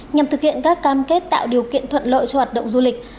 nhằm thực hiện các cam kết tạo điều kiện thuận lợi cho hoạt động du lịch